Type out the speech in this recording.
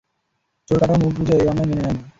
চোরকাঁটাও মুখ বুজে এ অন্যায় মেনে নেয় না।